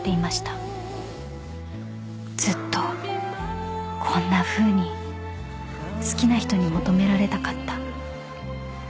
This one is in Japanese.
［ずっとこんなふうに好きな人に求められたかった］